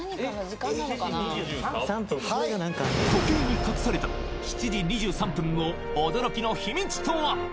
７時２３分時計に隠された７時２３分の驚きの秘密とは？